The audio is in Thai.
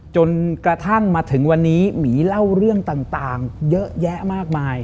จนกระทั่งมาถึงวันนี้หมีเล่าเรื่องต่างเยอะแยะมากมาย